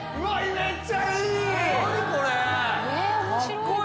めっちゃいい！